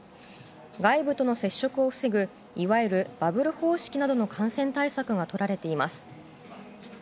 外部との接触を防ぐいわゆるバブル方式などの感染対策がとられています。